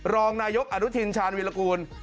รองนายกอนุทินชาญวิรากูล